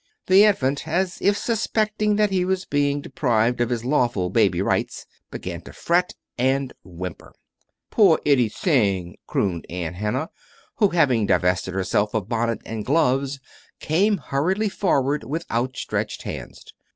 The infant, as if suspecting that he was being deprived of his lawful baby rights, began to fret and whimper. "Poor itty sing," crooned Aunt Hannah, who, having divested herself of bonnet and gloves, came hurriedly forward with outstretched hands.